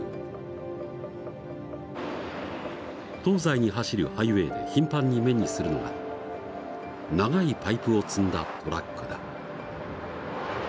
東西に走るハイウエーで頻繁に目にするのが長いパイプを積んだトラックだ。